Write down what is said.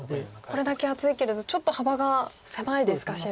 これだけ厚いけれどちょっと幅が狭いですか白も。